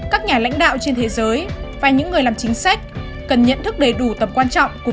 các nhà lãnh đạo trên thế giới và những người làm chính sách cần nhận thức đầy đủ tầm quan trọng của